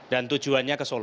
dan tujuannya ke solo